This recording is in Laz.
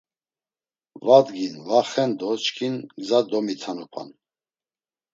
Va dgin va xen do çkin gza gomitanupan.